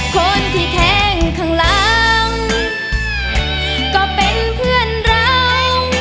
คนที่แทงข้างหลังก็เป็นเพื่อนเรา